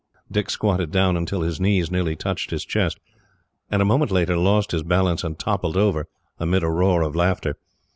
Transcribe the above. Dick squatted down until his knees nearly touched his chest, and a moment later lost his balance and toppled over, amid a roar of laughter.